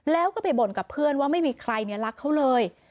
แล้วก็ไปบ่นกับเพื่อนว่าไม่มีใครรักเขาเลย